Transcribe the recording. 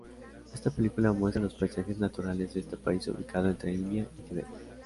Esta película muestra los paisajes naturales de este país ubicado entre India y Tíbet.